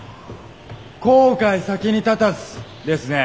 「後悔先に立たず」ですね。